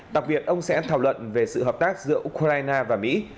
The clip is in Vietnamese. đặc biệt ông sẽ thảo luận về sự hợp tác giữa ukraine và mỹ